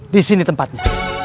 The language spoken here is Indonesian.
di sini tempatnya